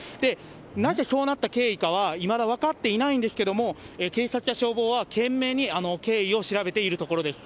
なぜそうなった経緯かはいまだ分かっていないんですけれども、警察や消防は、懸命に経緯を調べているところです。